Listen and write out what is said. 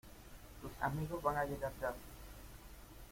Tus amigos van a llegar ya.